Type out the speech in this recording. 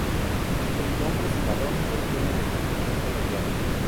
El nombre "El Cimarrón" proviene de su estación ferroviaria.